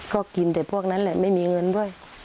ก็กินแต่พวกนั้นแหละไม่มีเงินด้วย